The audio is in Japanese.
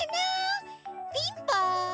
ピンポン。